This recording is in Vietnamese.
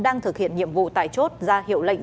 đang thực hiện nhiệm vụ tại chốt ra hiệu lệnh